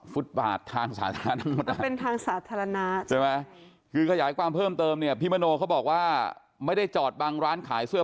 ฟุตบาททางสาธารณะ